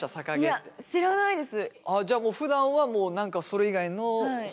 いや知らないです。